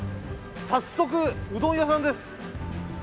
早速うどん屋さんです。